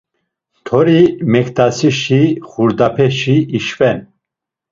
Ntori meǩtasişi xurdapeşi işven.